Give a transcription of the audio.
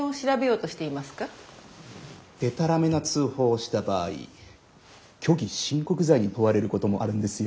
デタラメな通報をした場合虚偽申告罪に問われることもあるんですよ。